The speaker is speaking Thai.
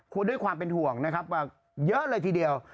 คุณด้วยความเป็นห่วงนะครับมาเยอะเลยทีเดียว